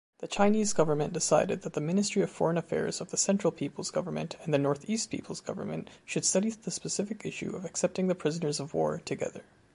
The Chinese government decided that the ministry of foreign affairs of the central people's government and the northeast people's government should study the specific issue of accepting the prisoners of war together.